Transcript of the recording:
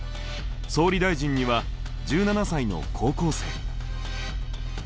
総理大臣には１７才の高校生。